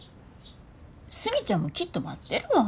スミちゃんもきっと待ってるわ。